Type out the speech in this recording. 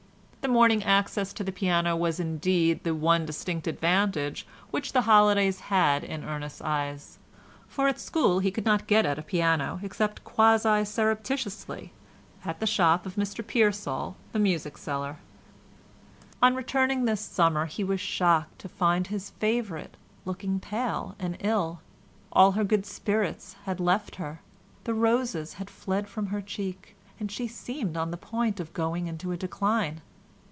The morning access to the piano was indeed the one distinct advantage which the holidays had in Ernest's eyes, for at school he could not get at a piano except quasi surreptitiously at the shop of Mr Pearsall, the music seller. On returning this midsummer he was shocked to find his favourite looking pale and ill. All her good spirits had left her, the roses had fled from her cheek, and she seemed on the point of going into a decline.